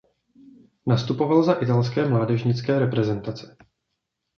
Nastupoval za italské mládežnické reprezentace.